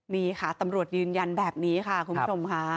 นี่ค่ะตำรวจยืนยันแบบนี้ค่ะคุณผู้ชมค่ะ